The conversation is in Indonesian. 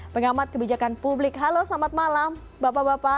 pengamat kebijakan publik halo selamat malam bapak bapak